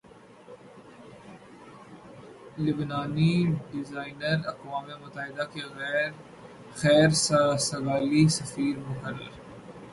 لبنانی designer اقوام متحدہ کے خیر سگالی سفیر مقرر